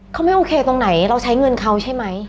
เขาไม่โอเคตรงไหนเราใช้เงินเขาใช่ไหม